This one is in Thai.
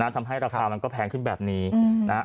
ทำให้ราคามันก็แพงขึ้นแบบนี้นะครับ